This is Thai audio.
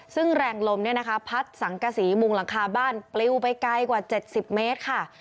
ซึ่งแรงลมพัดสังกศิมพ์มุงหลังคาบ้านปลิวไปใกล้กว่า๗๐เมตรค่ะ